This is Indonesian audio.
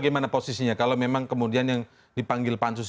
bagaimana posisinya kalau memang kemudian yang dipanggil pansus